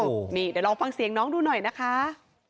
โอ้โหนี่เดี๋ยวลองฟังเสียงน้องดูหน่อยนะคะ